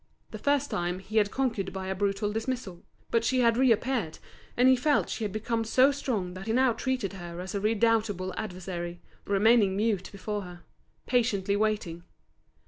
The first time, he had conquered by a brutal dismissal. But she had reappeared, and he felt she had become so strong that he now treated her as a redoubtable adversary, remaining mute before her, patiently waiting.